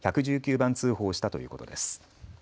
番通報したということです。